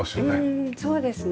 うんそうですね。